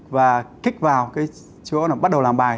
và kích vào cái chỗ bắt đầu làm bài